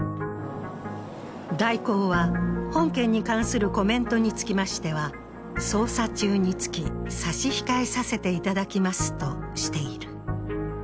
大広は、本件に関するコメントにつきましては、捜査中につき、差し控えさせていただきますとしている。